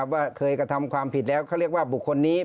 ว่าเคยกระทำความผิดแล้วเขาเรียกว่าบุคคลนี้